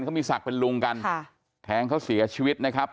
เขามีศักดิ์เป็นลุงกันค่ะแทงเขาเสียชีวิตนะครับ